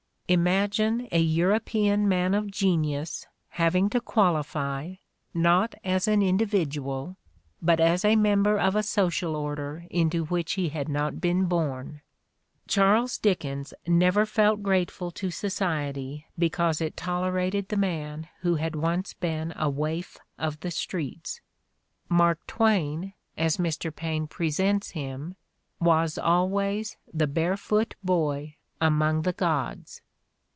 Imagine a European man of genius having to qualify, not as an individual, but as a member of a social order into which he had not been born ! Charles Dickens never felt grateful to society because it tolerated the man who had once been a waif of the streets: Mark Twain, as Mr. Paine pre sents him, was always the barefoot boy among the gods.